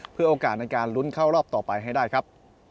เพื่อโอกาสในการลุ้นเข้ารอบต่อไปให้ได้ครับ